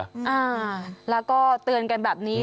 อ่าแล้วก็เตือนกันแบบนี้